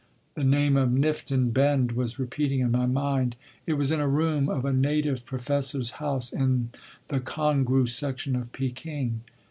The name of Nifton Bend was repeating in my mind. It was in a room of a native professor’s house in the Congrou section of Peking.